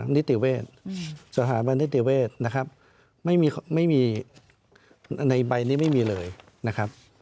นิติเวชสถาบันนิติเวศนะครับไม่มีไม่มีในใบนี้ไม่มีเลยนะครับ